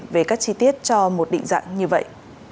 về các chi tiết cho một định dạng như vậy